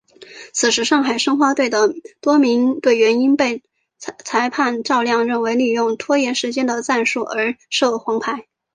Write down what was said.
此时上海申花队的多名队员因为被主裁判赵亮认为利用拖延时间的战术而领受黄牌。